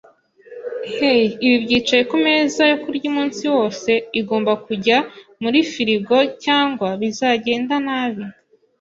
Hey, ibi byicaye kumeza yo kurya umunsi wose? Igomba kujya muri firigo cyangwa bizagenda nabi.